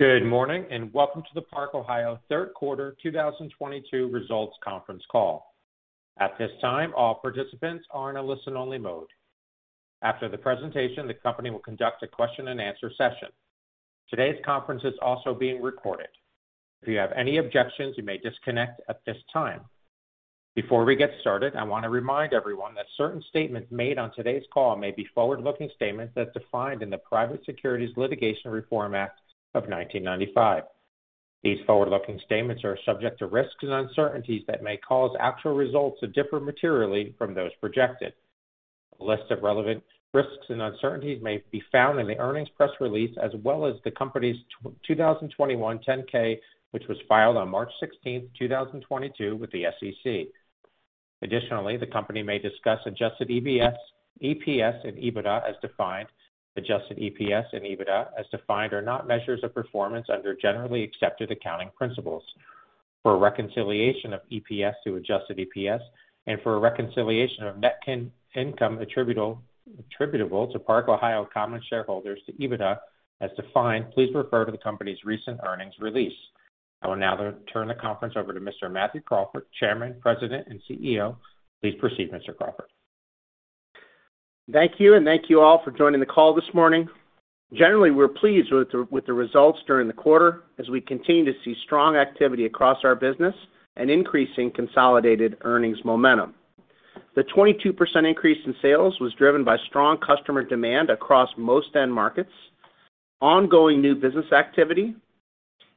Good morning, welcome to the Park-Ohio third quarter 2022 results conference call. At this time, all participants are in a listen-only mode. After the presentation, the company will conduct a question and answer session. Today's conference is also being recorded. If you have any objections, you may disconnect at this time. Before we get started, I want to remind everyone that certain statements made on today's call may be forward-looking statements as defined in the Private Securities Litigation Reform Act of 1995. These forward-looking statements are subject to risks and uncertainties that may cause actual results to differ materially from those projected. A list of relevant risks and uncertainties may be found in the earnings press release, as well as the company's 2021 10-K, which was filed on March 16, 2022, with the SEC. Additionally, the company may discuss adjusted EPS and EBITDA as defined. Adjusted EPS and EBITDA as defined are not measures of performance under generally accepted accounting principles. For a reconciliation of EPS to adjusted EPS and for a reconciliation of net income attributable to Park-Ohio common shareholders to EBITDA as defined, please refer to the company's recent earnings release. I will now turn the conference over to Mr. Matthew Crawford, Chairman, President, and CEO. Please proceed, Mr. Crawford. Thank you, thank you all for joining the call this morning. Generally, we're pleased with the results during the quarter as we continue to see strong activity across our business and increasing consolidated earnings momentum. The 22% increase in sales was driven by strong customer demand across most end markets, ongoing new business activity,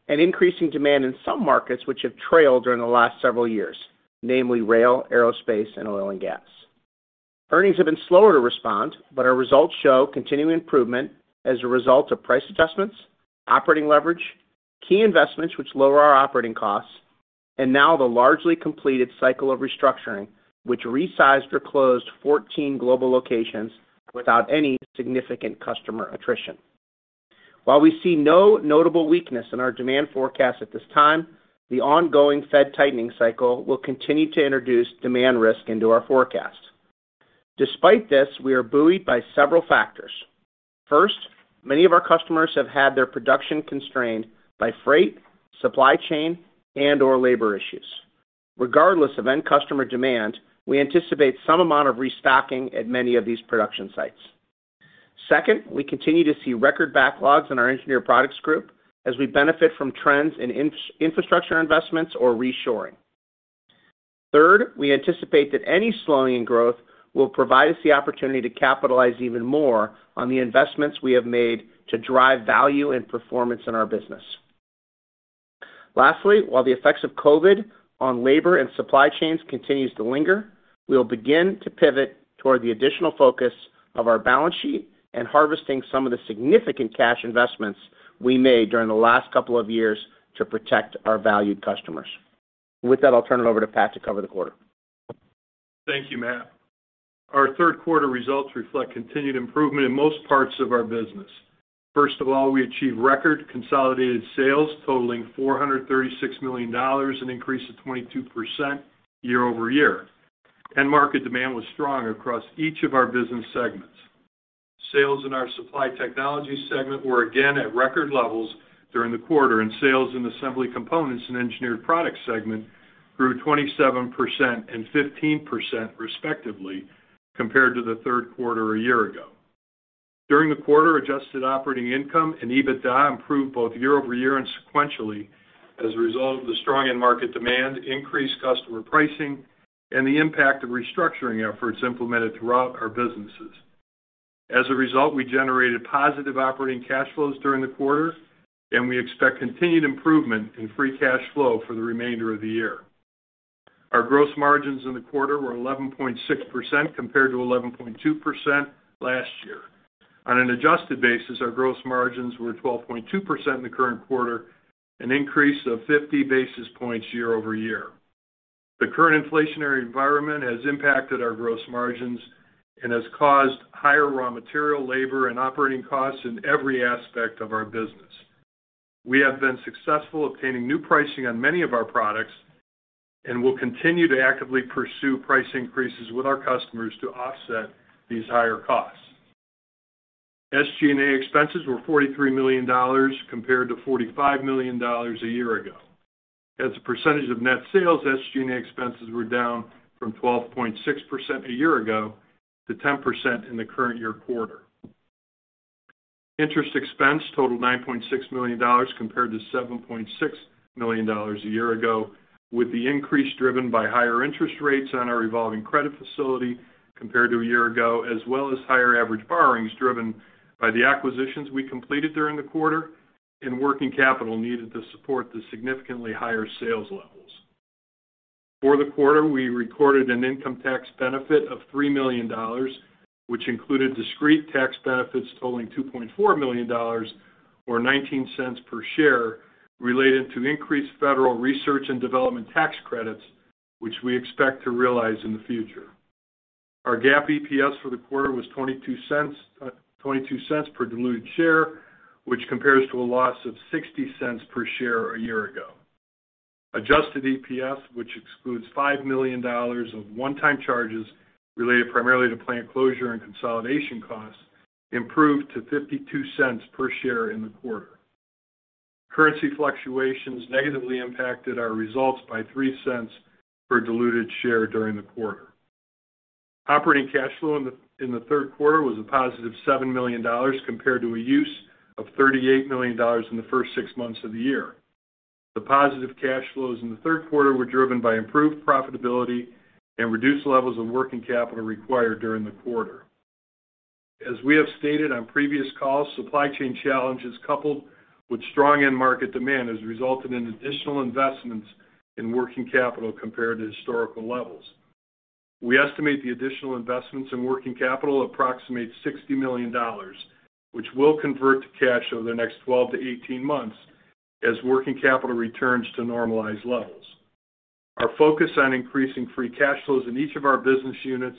and increasing demand in some markets which have trailed during the last several years, namely rail, aerospace, and oil and gas. Earnings have been slower to respond, but our results show continuing improvement as a result of price adjustments, operating leverage, key investments which lower our operating costs, and now the largely completed cycle of restructuring, which resized or closed 14 global locations without any significant customer attrition. While we see no notable weakness in our demand forecast at this time, the ongoing Fed tightening cycle will continue to introduce demand risk into our forecast. Despite this, we are buoyed by several factors. First, many of our customers have had their production constrained by freight, supply chain, and/or labor issues. Regardless of end customer demand, we anticipate some amount of restocking at many of these production sites. Second, we continue to see record backlogs in our Engineered Products group as we benefit from trends in infrastructure investments or reshoring. Third, we anticipate that any slowing in growth will provide us the opportunity to capitalize even more on the investments we have made to drive value and performance in our business. Lastly, while the effects of COVID on labor and supply chains continues to linger, we will begin to pivot toward the additional focus of our balance sheet and harvesting some of the significant cash investments we made during the last couple of years to protect our valued customers. With that, I'll turn it over to Pat to cover the quarter. Thank you, Matt. Our third quarter results reflect continued improvement in most parts of our business. First of all, we achieved record consolidated sales totaling $436 million, an increase of 22% year-over-year. End market demand was strong across each of our business segments. Sales in our Supply Technologies segment were again at record levels during the quarter, and sales in Assembly Components and Engineered Products segment grew 27% and 15%, respectively, compared to the third quarter a year ago. During the quarter, adjusted operating income and EBITDA improved both year-over-year and sequentially as a result of the strong end market demand, increased customer pricing, and the impact of restructuring efforts implemented throughout our businesses. As a result, we generated positive operating cash flows during the quarter, and we expect continued improvement in free cash flow for the remainder of the year. Our gross margins in the quarter were 11.6% compared to 11.2% last year. On an adjusted basis, our gross margins were 12.2% in the current quarter, an increase of 50 basis points year-over-year. The current inflationary environment has impacted our gross margins and has caused higher raw material, labor, and operating costs in every aspect of our business. We have been successful obtaining new pricing on many of our products and will continue to actively pursue price increases with our customers to offset these higher costs. SG&A expenses were $43 million compared to $45 million a year ago. As a percentage of net sales, SG&A expenses were down from 12.6% a year ago to 10% in the current year quarter. Interest expense totaled $9.6 million compared to $7.6 million a year ago, with the increase driven by higher interest rates on our revolving credit facility compared to a year ago, as well as higher average borrowings driven by the acquisitions we completed during the quarter and working capital needed to support the significantly higher sales levels. For the quarter, we recorded an income tax benefit of $3 million, which included discrete tax benefits totaling $2.4 million, or $0.19 per share, related to increased federal research and development tax credits, which we expect to realize in the future. Our GAAP EPS for the quarter was $0.22 per diluted share, which compares to a loss of $0.60 per share a year ago. Adjusted EPS, which excludes $5 million of one-time charges related primarily to plant closure and consolidation costs, improved to $0.52 per share in the quarter. Currency fluctuations negatively impacted our results by $0.03 per diluted share during the quarter. Operating cash flow in the third quarter was a positive $7 million, compared to a use of $38 million in the first six months of the year. The positive cash flows in the third quarter were driven by improved profitability and reduced levels of working capital required during the quarter. As we have stated on previous calls, supply chain challenges, coupled with strong end market demand, has resulted in additional investments in working capital compared to historical levels. We estimate the additional investments in working capital approximate $60 million, which will convert to cash over the next 12-18 months as working capital returns to normalized levels. Our focus on increasing free cash flows in each of our business units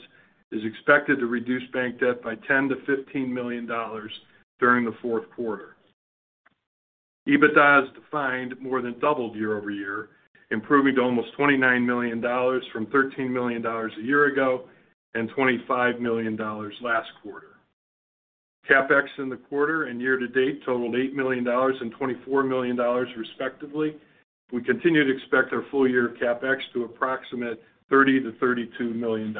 is expected to reduce bank debt by $10 million-$15 million during the fourth quarter. EBITDA, as defined, more than doubled year-over-year, improving to almost $29 million from $13 million a year ago and $25 million last quarter. CapEx in the quarter and year-to-date totaled $8 million and $24 million respectively. We continue to expect our full-year CapEx to approximate $30 million-$32 million.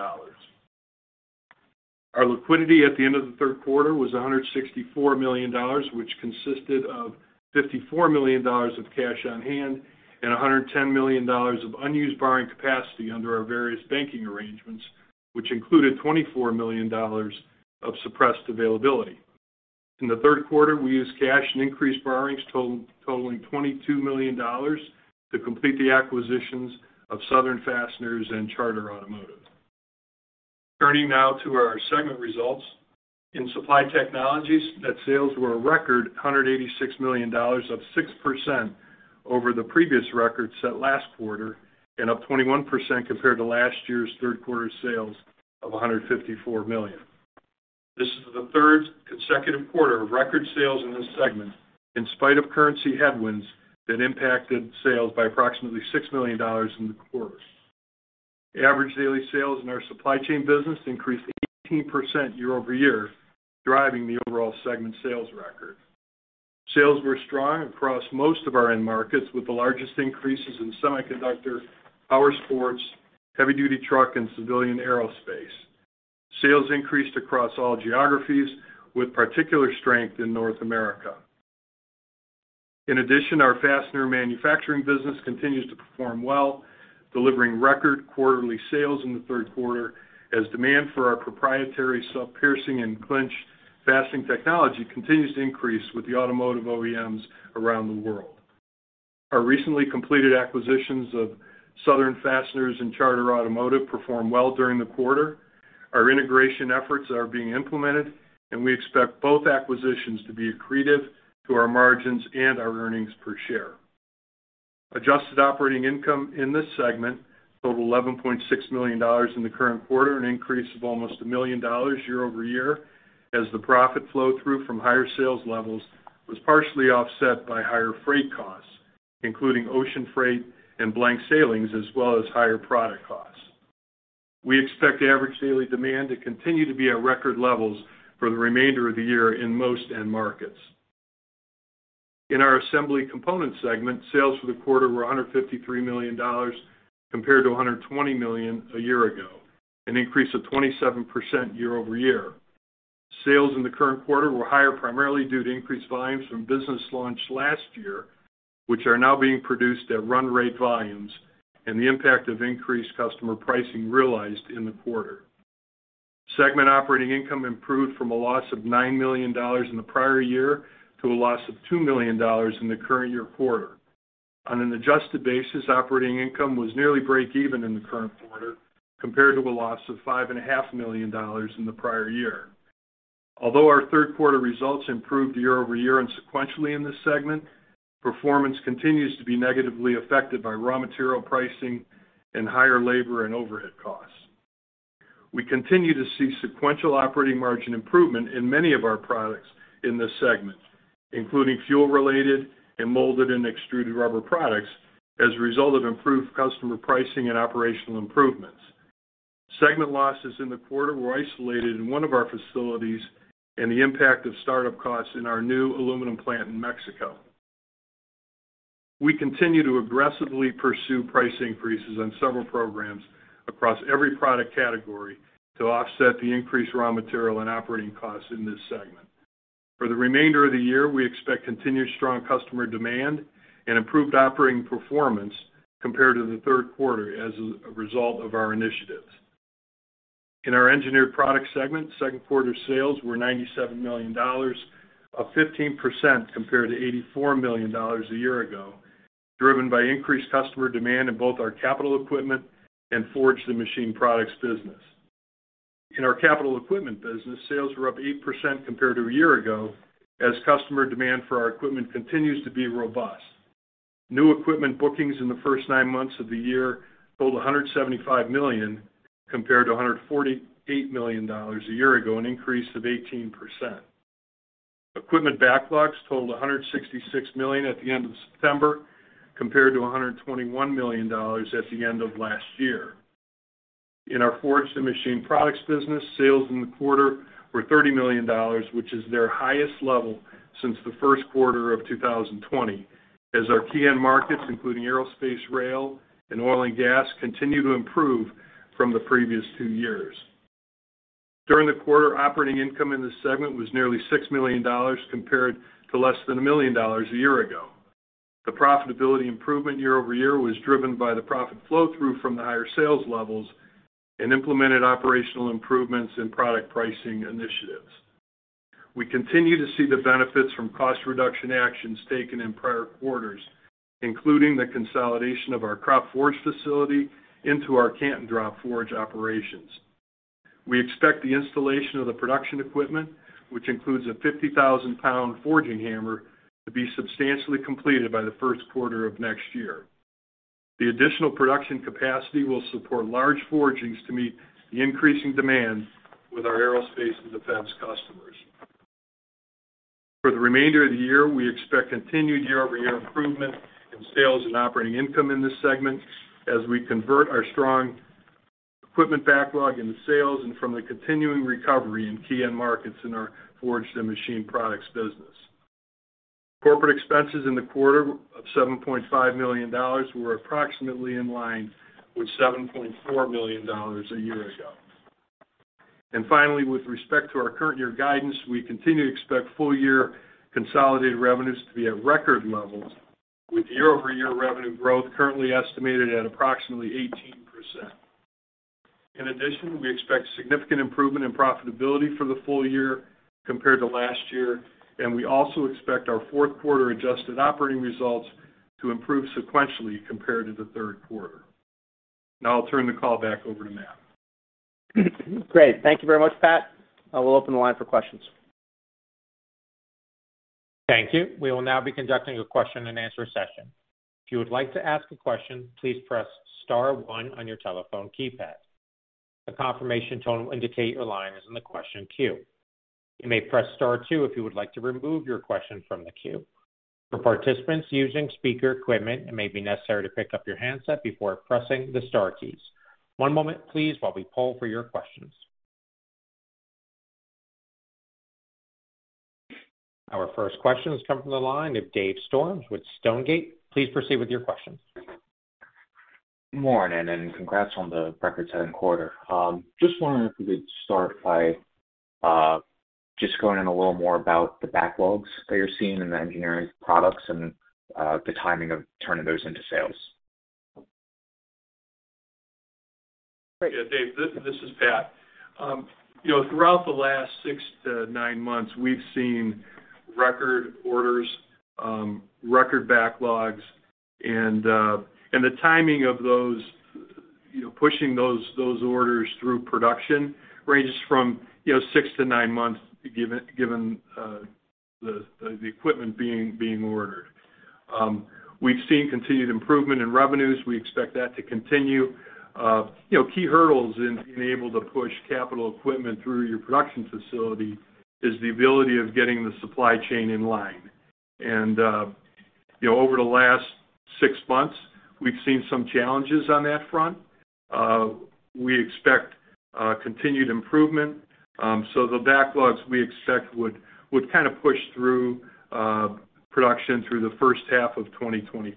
Our liquidity at the end of the third quarter was $164 million, which consisted of $54 million of cash on hand and $110 million of unused borrowing capacity under our various banking arrangements, which included $24 million of suppressed availability. In the third quarter, we used cash and increased borrowings totaling $22 million to complete the acquisitions of Southern Fasteners and Charter Automotive. Turning now to our segment results. In Supply Technologies, net sales were a record $186 million, up 6% over the previous record set last quarter, and up 21% compared to last year's third quarter sales of $154 million. This is the third consecutive quarter of record sales in this segment, in spite of currency headwinds that impacted sales by approximately $6 million in the quarter. Average daily sales in our supply chain business increased 18% year-over-year, driving the overall segment sales record. Sales were strong across most of our end markets, with the largest increases in semiconductor, powersports, heavy-duty truck, and civilian aerospace. Sales increased across all geographies, with particular strength in North America. In addition, our fastener manufacturing business continues to perform well, delivering record quarterly sales in the third quarter as demand for our proprietary self-piercing and clinch fastening technology continues to increase with the automotive OEMs around the world. Our recently completed acquisitions of Southern Fasteners and Charter Automotive performed well during the quarter. Our integration efforts are being implemented, and we expect both acquisitions to be accretive to our margins and our earnings per share. Adjusted operating income in this segment totaled $11.6 million in the current quarter, an increase of almost $1 million year-over-year, as the profit flow-through from higher sales levels was partially offset by higher freight costs, including ocean freight and blank sailings, as well as higher product costs. We expect average daily demand to continue to be at record levels for the remainder of the year in most end markets. In our Assembly Components segment, sales for the quarter were $153 million compared to $120 million a year ago, an increase of 27% year-over-year. Sales in the current quarter were higher, primarily due to increased volumes from business launched last year, which are now being produced at run rate volumes, and the impact of increased customer pricing realized in the quarter. Segment operating income improved from a loss of $9 million in the prior year to a loss of $2 million in the current year quarter. On an adjusted basis, operating income was nearly breakeven in the current quarter compared to a loss of $5.5 million in the prior year. Although our third quarter results improved year-over-year and sequentially in this segment, performance continues to be negatively affected by raw material pricing and higher labor and overhead costs. We continue to see sequential operating margin improvement in many of our products in this segment, including fuel-related and molded and extruded rubber products, as a result of improved customer pricing and operational improvements. Segment losses in the quarter were isolated in one of our facilities and the impact of startup costs in our new aluminum plant in Mexico. We continue to aggressively pursue price increases on several programs across every product category to offset the increased raw material and operating costs in this segment. For the remainder of the year, we expect continued strong customer demand and improved operating performance compared to the third quarter as a result of our initiatives. In our Engineered Products segment, third quarter sales were $97 million, up 15% compared to $84 million a year ago, driven by increased customer demand in both our capital equipment and forged and machined products business. In our capital equipment business, sales were up 8% compared to a year ago, as customer demand for our equipment continues to be robust. New equipment bookings in the first nine months of the year totaled $175 million compared to $148 million a year ago, an increase of 18%. Equipment backlogs totaled $166 million at the end of September, compared to $121 million at the end of last year. In our forged and machined products business, sales in the quarter were $30 million, which is their highest level since the first quarter of 2020. As our key end markets, including aerospace, rail, and oil and gas, continue to improve from the previous two years. During the quarter, operating income in this segment was nearly $6 million, compared to less than a million dollars a year ago. The profitability improvement year-over-year was driven by the profit flow-through from the higher sales levels and implemented operational improvements and product pricing initiatives. We continue to see the benefits from cost reduction actions taken in prior quarters, including the consolidation of our Kropp Forge facility into our Canton Drop Forge operations. We expect the installation of the production equipment, which includes a 50,000-pound forging hammer, to be substantially completed by the first quarter of next year. The additional production capacity will support large forgings to meet the increasing demand with our aerospace and defense customers. For the remainder of the year, we expect continued year-over-year improvement in sales and operating income in this segment, as we convert our strong equipment backlog into sales and from the continuing recovery in key end markets in our forged and machined products business. Corporate expenses in the quarter of $7.5 million were approximately in line with $7.4 million a year ago. Finally, with respect to our current year guidance, we continue to expect full year consolidated revenues to be at record levels, with year-over-year revenue growth currently estimated at approximately 18%. In addition, we expect significant improvement in profitability for the full year compared to last year, and we also expect our fourth quarter adjusted operating results to improve sequentially compared to the third quarter. Now I'll turn the call back over to Matt. Great. Thank you very much, Pat. I will open the line for questions. Thank you. We will now be conducting a question and answer session. If you would like to ask a question, please press star one on your telephone keypad. A confirmation tone will indicate your line is in the question queue. You may press star two if you would like to remove your question from the queue. For participants using speaker equipment, it may be necessary to pick up your handset before pressing the star keys. One moment please while we poll for your questions. Our first question has come from the line of Dave Storms with Stonegate. Please proceed with your questions. Morning, congrats on the record-setting quarter. Just wondering if you could start by just going in a little more about the backlogs that you're seeing in the Engineered Products and the timing of turning those into sales. Yeah, Dave, this is Pat. Throughout the last 6-9 months, we've seen record orders, record backlogs, and the timing of those, pushing those orders through production ranges from 6-9 months given the equipment being ordered. We've seen continued improvement in revenues. We expect that to continue. Key hurdles in being able to push capital equipment through your production facility is the ability of getting the supply chain in line. Over the last 6 months, we've seen some challenges on that front. We expect continued improvement. The backlogs we expect would kind of push through production through the first half of 2023.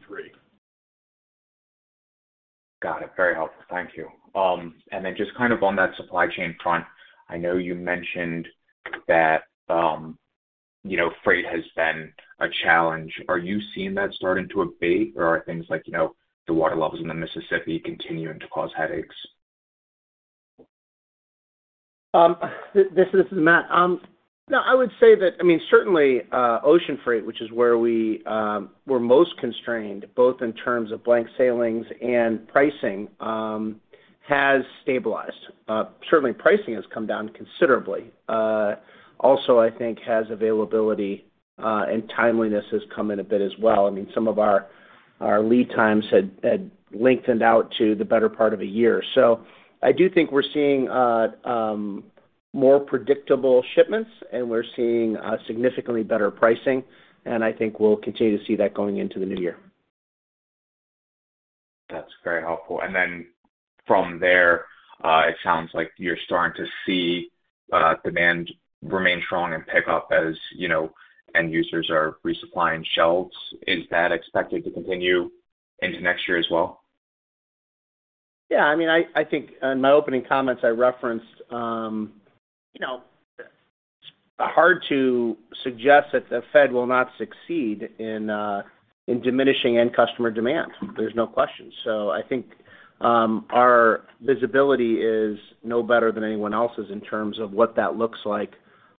Got it. Very helpful. Thank you. Just kind of on that supply chain front, I know you mentioned that freight has been a challenge. Are you seeing that starting to abate, or are things like the water levels in the Mississippi continuing to cause headaches? This is Matt. No, I would say that certainly ocean freight, which is where we're most constrained, both in terms of blank sailings and pricing, has stabilized. Certainly, pricing has come down considerably. Also, I think has availability, and timeliness has come in a bit as well. Some of our lead times had lengthened out to the better part of a year. I do think we're seeing more predictable shipments, and we're seeing significantly better pricing, and I think we'll continue to see that going into the new year. That's very helpful. From there, it sounds like you're starting to see demand remain strong and pick up as end users are resupplying shelves. Is that expected to continue into next year as well? I think in my opening comments, I referenced, hard to suggest that the Fed will not succeed in diminishing end customer demand. There's no question. I think our visibility is no better than anyone else's in terms of what that looks like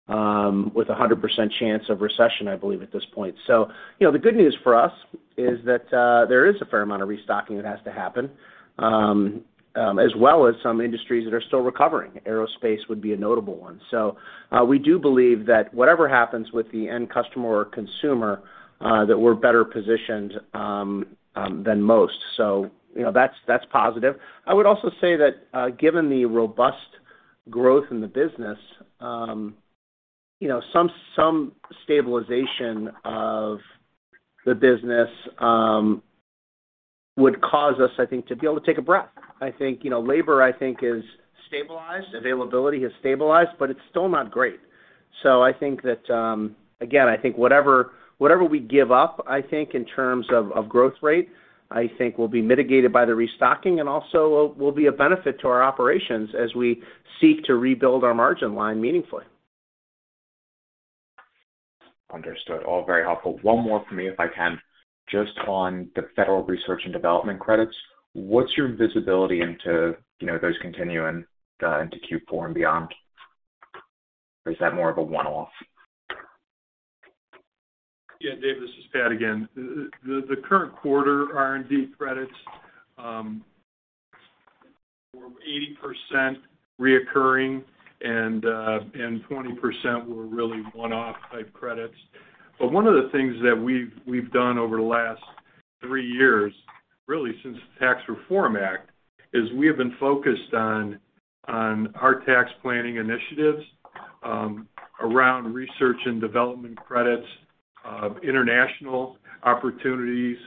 with 100% chance of recession, I believe, at this point. The good news for us is that there is a fair amount of restocking that has to happen, as well as some industries that are still recovering. Aerospace would be a notable one. We do believe that whatever happens with the end customer or consumer, that we're better positioned than most. That's positive. I would also say that given the robust growth in the business, some stabilization of the business would cause us, I think, to be able to take a breath. I think labor is stabilized, availability has stabilized, but it's still not great. I think that again, I think whatever we give up, I think in terms of growth rate, I think will be mitigated by the restocking and also will be a benefit to our operations as we seek to rebuild our margin line meaningfully. Understood. All very helpful. One more from me, if I can. Just on the federal research and development credits, what's your visibility into those continuing into Q4 and beyond? Or is that more of a one-off? Yeah, Dave, this is Pat again. The current quarter R&D credits, were 80% reoccurring and 20% were really one-off type credits. One of the things that we've done over the last three years, really since the Tax Reform Act, is we have been focused on our tax planning initiatives around research and development credits, international opportunities,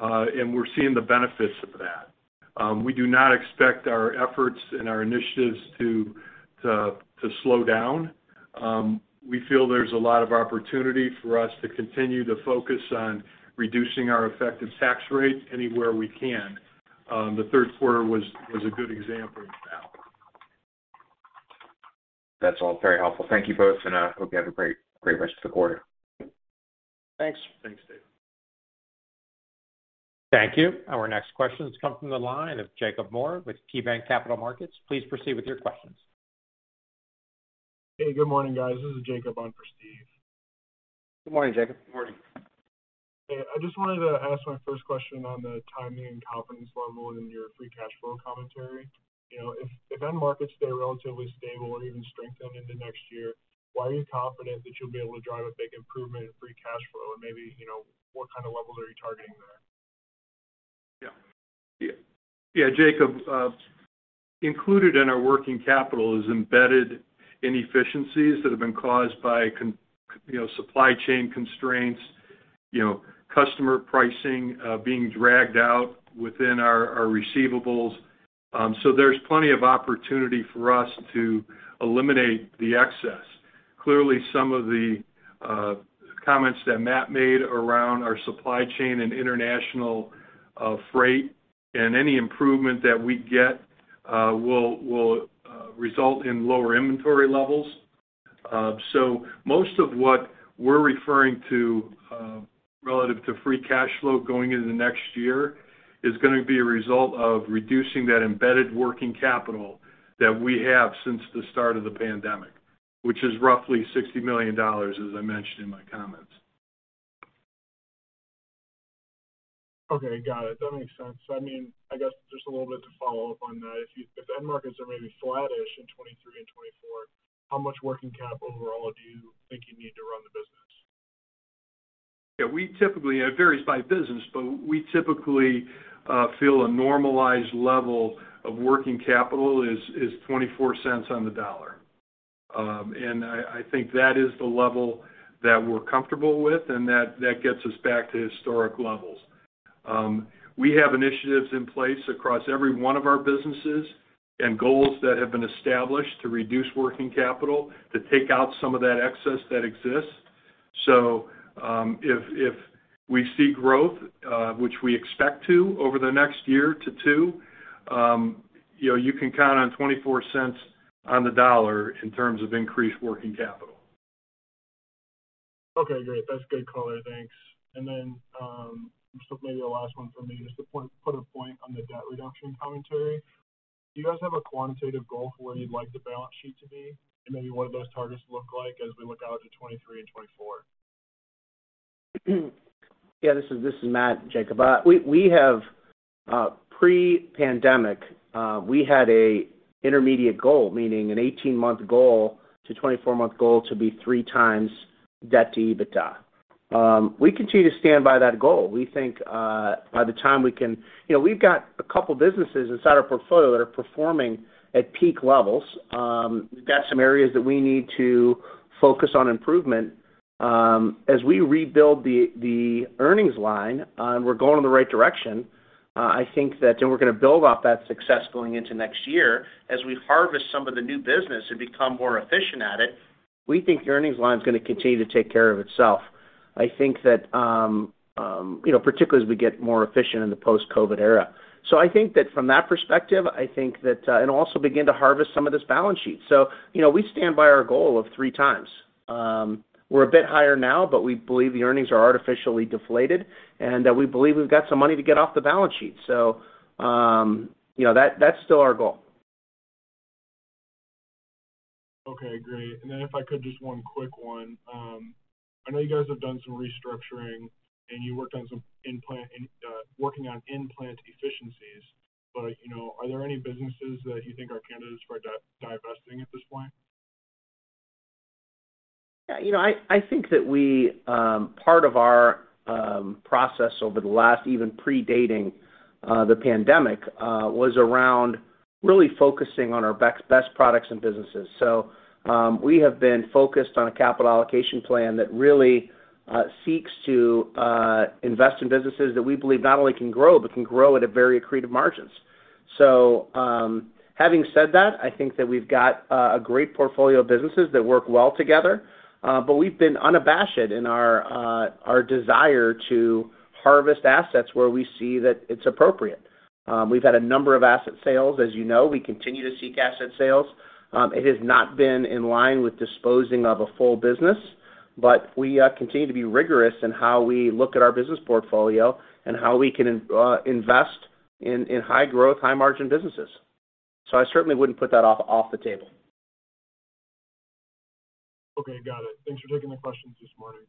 and we're seeing the benefits of that. We do not expect our efforts and our initiatives to slow down. We feel there's a lot of opportunity for us to continue to focus on reducing our effective tax rates anywhere we can. The third quarter was a good example of that. That's all very helpful. Thank you both. Hope you have a great rest of the quarter. Thanks. Thanks, Dave. Thank you. Our next question has come from the line of Jacob Moore with KeyBanc Capital Markets. Please proceed with your questions. Hey, good morning, guys. This is Jacob on for Steve. Good morning, Jacob. Good morning. Okay. I just wanted to ask my first question on the timing and confidence level in your free cash flow commentary. If end markets stay relatively stable or even strengthen into next year, why are you confident that you'll be able to drive a big improvement in free cash flow? Maybe, what kind of levels are you targeting there? Jacob, included in our working capital is embedded inefficiencies that have been caused by supply chain constraints, customer pricing being dragged out within our receivables. There's plenty of opportunity for us to eliminate the excess. Clearly, some of the comments that Matt made around our supply chain and international freight and any improvement that we get will result in lower inventory levels. Most of what we're referring to relative to free cash flow going into the next year is going to be a result of reducing that embedded working capital that we have since the start of the pandemic, which is roughly $60 million, as I mentioned in my comments. Okay, got it. That makes sense. I guess just a little bit to follow up on that. If end markets are maybe flattish in 2023 and 2024, how much working capital overall do you think you need to run the business? Yeah. It varies by business, but we typically feel a normalized level of working capital is $0.24 on the dollar. I think that is the level that we're comfortable with, and that gets us back to historic levels. We have initiatives in place across every one of our businesses and goals that have been established to reduce working capital to take out some of that excess that exists. If we see growth, which we expect to over the next year to two, you can count on $0.24 on the dollar in terms of increased working capital. Okay, great. That's good color. Thanks. Just maybe the last one from me, just to put a point on the debt reduction commentary. Do you guys have a quantitative goal for where you'd like the balance sheet to be? Maybe what do those targets look like as we look out to 2023 and 2024? Yeah, this is Matt, Jacob. Pre-pandemic, we had an intermediate goal, meaning an 18-month goal to 24-month goal to be 3 times debt to EBITDA. We continue to stand by that goal. We've got a couple of businesses inside our portfolio that are performing at peak levels. We've got some areas that we need to focus on improvement. As we rebuild the earnings line, we're going in the right direction, I think that we're going to build off that success going into next year as we harvest some of the new business and become more efficient at it. We think the earnings line is going to continue to take care of itself. I think that particularly as we get more efficient in the post-COVID era. I think that from that perspective, and also begin to harvest some of this balance sheet. We stand by our goal of 3x. We're a bit higher now, but we believe the earnings are artificially deflated and that we believe we've got some money to get off the balance sheet. That's still our goal. Okay, great. If I could, just one quick one. I know you guys have done some restructuring and you worked on some working on plant efficiencies, but are there any businesses that you think are candidates for divesting at this point? Yeah. I think that part of our process over the last, even predating the pandemic, was around Really focusing on our best products and businesses. We have been focused on a capital allocation plan that really seeks to invest in businesses that we believe not only can grow, but can grow at a very accretive margins. Having said that, I think that we've got a great portfolio of businesses that work well together. We've been unabashed in our desire to harvest assets where we see that it's appropriate. We've had a number of asset sales. As you know, we continue to seek asset sales. It has not been in line with disposing of a full business. We continue to be rigorous in how we look at our business portfolio and how we can invest in high growth, high margin businesses. I certainly wouldn't put that off the table. Okay, got it. Thanks for taking the questions this morning.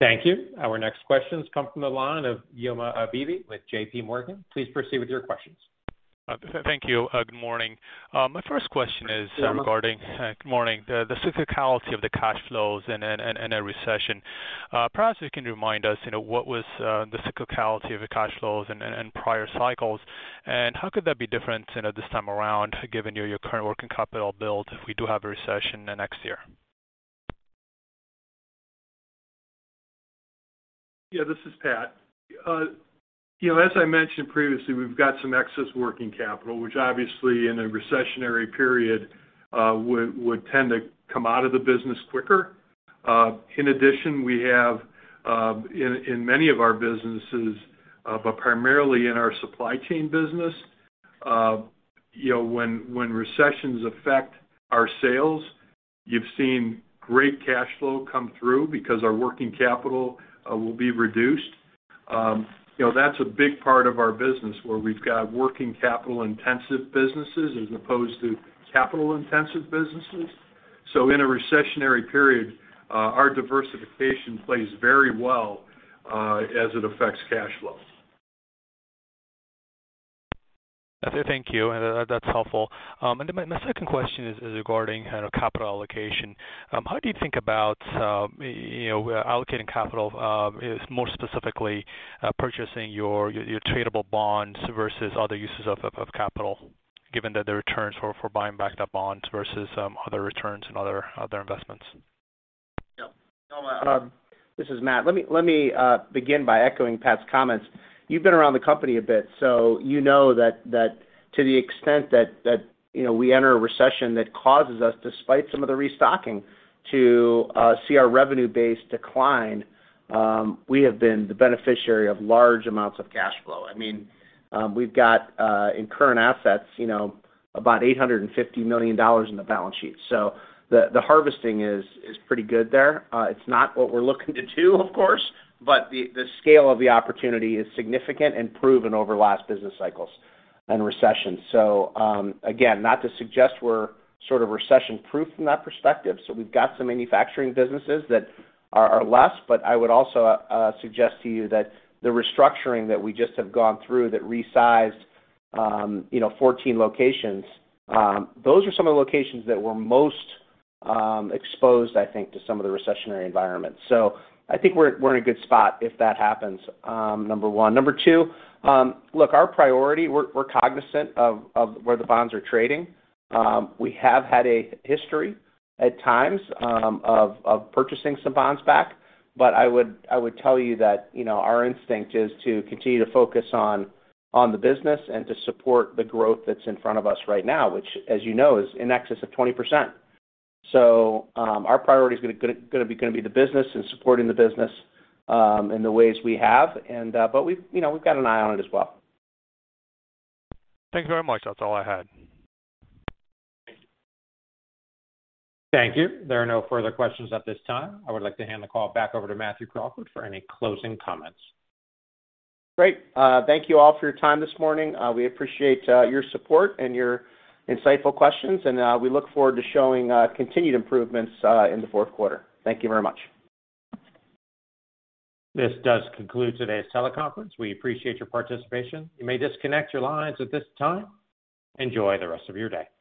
Thank you. Our next questions come from the line of Tami Zakaria with JPMorgan. Please proceed with your questions. Thank you. Good morning. My first question is regarding. Tami. Good morning. The cyclicality of the cash flows in a recession, perhaps you can remind us what was the cyclicality of the cash flows in prior cycles, and how could that be different this time around, given your current working capital build if we do have a recession next year? Yeah, this is Pat. As I mentioned previously, we've got some excess working capital, which obviously in a recessionary period would tend to come out of the business quicker. In addition, we have in many of our businesses, but primarily in our supply chain business, when recessions affect our sales, you've seen great cash flow come through because our working capital will be reduced. That's a big part of our business, where we've got working capital intensive businesses as opposed to capital intensive businesses. In a recessionary period, our diversification plays very well as it affects cash flow. Thank you. That's helpful. My second question is regarding capital allocation. How do you think about allocating capital, more specifically, purchasing your tradable bonds versus other uses of capital, given that the returns for buying back the bonds versus other returns and other investments? Yoma, this is Matt. Let me begin by echoing Pat's comments. You've been around the company a bit, so you know that to the extent that we enter a recession that causes us, despite some of the restocking, to see our revenue base decline, we have been the beneficiary of large amounts of cash flow. We've got in current assets about $850 million in the balance sheet. The harvesting is pretty good there. It's not what we're looking to do, of course, but the scale of the opportunity is significant and proven over last business cycles and recessions. Again, not to suggest we're sort of recession-proof from that perspective. We've got some manufacturing businesses that are less, but I would also suggest to you that the restructuring that we just have gone through that resized 14 locations, those are some of the locations that were most exposed, I think, to some of the recessionary environments. I think we're in a good spot if that happens, number one. Number two, look, our priority, we're cognizant of where the bonds are trading. We have had a history at times of purchasing some bonds back. I would tell you that our instinct is to continue to focus on the business and to support the growth that's in front of us right now, which as you know, is in excess of 20%. Our priority is going to be the business and supporting the business in the ways we have. We've got an eye on it as well. Thanks very much. That's all I had. Thank you. There are no further questions at this time. I would like to hand the call back over to Matthew Crawford for any closing comments. Great. Thank you all for your time this morning. We appreciate your support and your insightful questions. We look forward to showing continued improvements in the fourth quarter. Thank you very much. This does conclude today's teleconference. We appreciate your participation. You may disconnect your lines at this time. Enjoy the rest of your day.